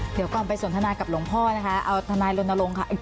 เดี๋ยวก่อนไปสนทนากับหลวงพ่อนะคะเอาทนายรณรงค์ค่ะ